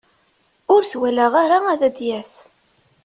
Ur t-walaɣ ara ad d-yas.